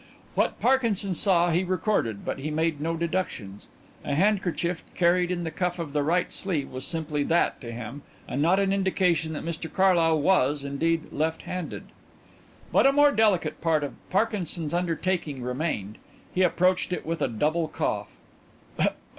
What Parkinson saw he recorded but he made no deductions. A handkerchief carried in the cuff of the right sleeve was simply that to him and not an indication that Mr Carlyle was, indeed, left handed. But a more delicate part of Parkinson's undertaking remained. He approached it with a double cough.